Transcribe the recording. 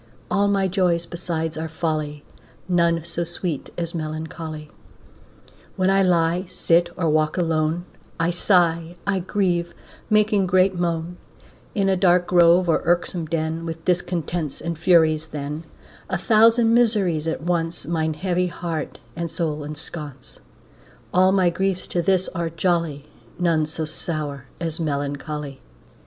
All my joys besides are folly, None so sweet as melancholy. When I lie, sit, or walk alone, I sigh, I grieve, making great moan, In a dark grove, or irksome den, With discontents and Furies then, A thousand miseries at once Mine heavy heart and soul ensconce, All my griefs to this are jolly, None so sour as melancholy.